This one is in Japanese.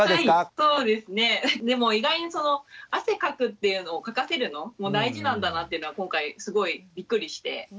でも意外に汗かくっていうのをかかせるのも大事なんだなっていうのは今回すごいびっくりして。